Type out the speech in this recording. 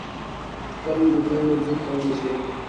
خپل لومړي منزل ته ورسېدو.